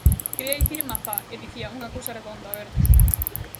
Quería dicir "mazá" e dicía "unha cousa redonda, verde..."